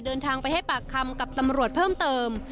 เดินทางไปให้ปากคำกับตำรวจเพิ่มเติม